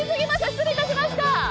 失礼いたしました。